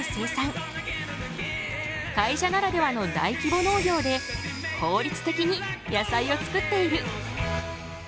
会社ならではの大規模農業で効率的に野菜を作っている。